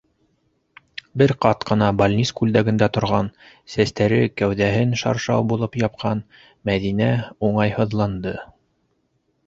Бер ҡат ҡына балнис күлдәгендә торған, сәстәре кәүҙәһен шаршау булып япҡан Мәҙинә уңайһыҙланды.